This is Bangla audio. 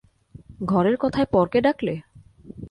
ঘরের কথায় পরকে ডাকলে?